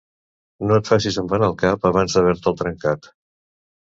No et facis embenar el cap abans d'haver-te'l trencat.